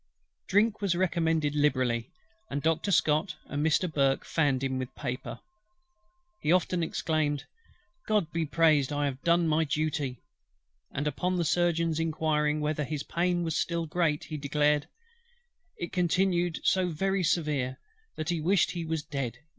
Drink was recommended liberally, and Doctor SCOTT and Mr. BURKE fanned him with paper. He often exclaimed, "GOD be praised, I have done my duty;" and upon the Surgeon's inquiring whether his pain was still very great, he declared, "it continued so very severe, that he wished he was dead.